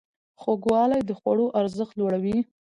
خوږوالی د خوړو ارزښت لوړوي.